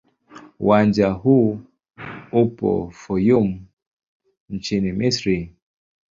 Uwanja huu upo Fayoum nchini Misri.